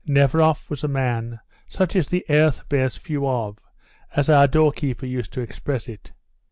"Neveroff was a man 'such as the earth bears few of,' as our doorkeeper used to express it.